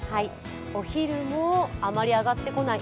お昼も、あまり上がってこない。